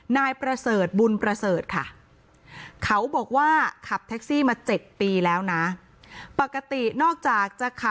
นายประเสริฐบุญประเสริฐค่ะ